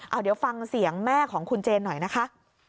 เอาเดี๋ยวฟังเสียงแม่ของคุณเจนหน่อยนะคะ